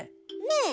ねえ？